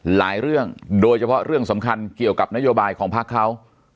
หลายเรื่องโดยเฉพาะเรื่องสำคัญเกี่ยวกับนโยบายของพักเขา